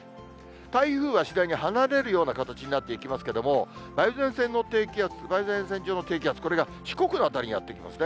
台風は次第に離れるような形になっていきますけれども、梅雨前線上の低気圧、これが四国の辺りにやって来ますね。